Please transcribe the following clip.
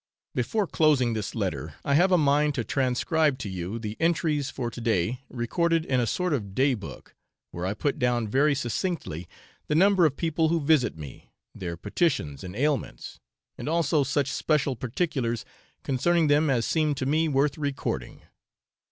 Before closing this letter, I have a mind to transcribe to you the entries for to day recorded in a sort of daybook, where I put down very succinctly the number of people who visit me, their petitions and ailments, and also such special particulars concerning them as seem to me worth recording.